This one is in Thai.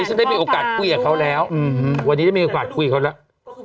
อื้อหือวันนี้ได้มีโอกาสคุยกับเขาแล้ว